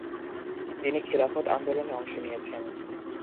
তিনি খিলাফত আন্দোলনে অংশ নিয়েছেন।